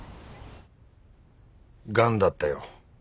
がんだったよ。